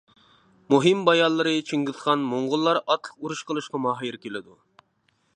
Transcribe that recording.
مۇھىم بايانلىرى چىڭگىزخان موڭغۇللار ئاتلىق ئۇرۇش قىلىشقا ماھىر كېلىدۇ.